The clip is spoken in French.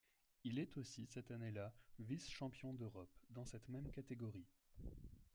Il est aussi cette année-là vice-champion d'Europe dans cette même catégorie.